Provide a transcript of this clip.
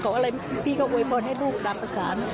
ขออะไรพี่ก็โวยพอลให้ลูกตามภาษา